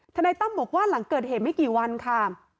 นายตั้มบอกว่าหลังเกิดเหตุไม่กี่วันค่ะ